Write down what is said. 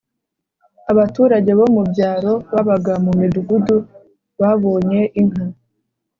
abaturage bo mubyaro babaga mu midugudu babonye inka